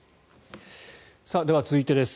では、続いてです。